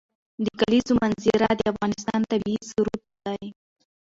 د کلیزو منظره د افغانستان طبعي ثروت دی.